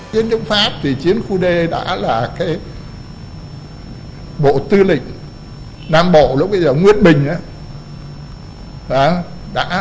chiến chống pháp thì chiến khu d đã là cái bộ tư lĩnh nam bộ lúc bây giờ nguyễn bình đó đã là